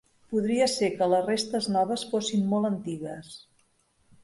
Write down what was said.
Podria ser que les restes noves fossin molt antigues.